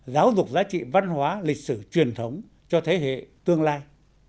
giáo dục giá trị văn hóa lịch sử truyền thống cho thế hệ tương lai